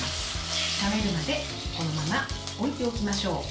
冷めるまでこのまま置いておきましょう。